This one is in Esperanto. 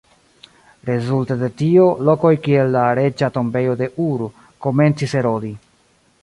Rezulte de tio, lokoj kiel la Reĝa Tombejo de Ur, komencis erodi.